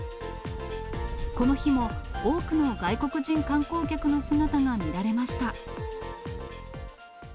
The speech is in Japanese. この日も多くの外国人観光客の姿が見られました。